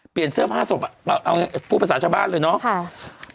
เปลี่ยนเสื้อผ้าศพพูดภาษาชาบ้านเลยเนาะ